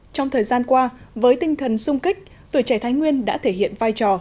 trong thời gian qua với tinh thần sung kích tuổi trẻ thái nguyên đã thể hiện vai trò